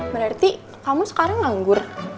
berarti kamu sekarang nganggur